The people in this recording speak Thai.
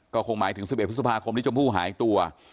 ก็คงหมายถึง๑๑พฤษภาคมที่ชมพู่หายตัว